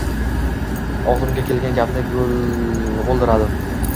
og‘zimga kelgan gapni g‘o‘ldiradim: